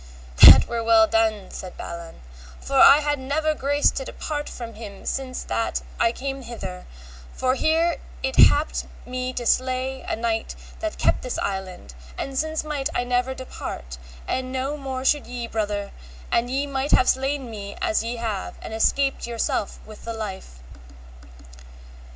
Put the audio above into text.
That were well done, said Balan, for I had never grace to depart from them since that I came hither, for here it happed me to slay a knight that kept this island, and since might I never depart, and no more should ye, brother, an ye might have slain me as ye have, and escaped yourself with the life.